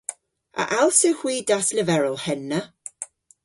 A allsewgh hwi dasleverel henna?